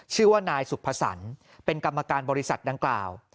ชื่อว่านายสุภสรรค์เป็นกรรมการบริษัทดังกล่าว